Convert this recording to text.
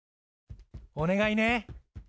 お願いね。